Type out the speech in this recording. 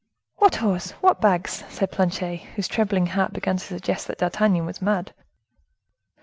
"What horse? What bags?" said Planchet, whose trembling heart began to suggest that D'Artagnan was mad.